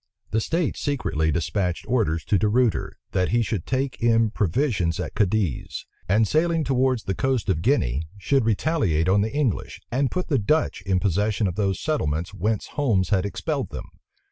The states secretly despatched orders to De Ruyter, that he should take in provisions at Cadiz; and sailing towards the coast of Guinea, should retaliate on the English, and put the Dutch in possession of those settlements whence Holmes had expelled them.